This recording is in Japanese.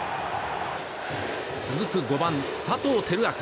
続く５番、佐藤輝明。